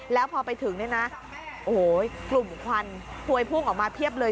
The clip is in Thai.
แล้วพอไปถึงเนี่ยนะโอ้โหกลุ่มควันพวยพุ่งออกมาเพียบเลย